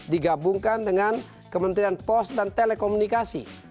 digabungkan dengan kementerian pos dan telekomunikasi